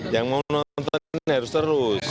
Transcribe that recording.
yang mau nonton harus terus